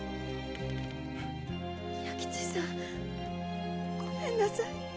弥吉さんごめんなさい。